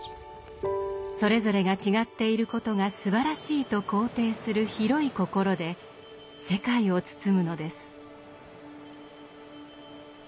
それぞれが違っていることがすばらしいと肯定する広い心で世界を包むのです。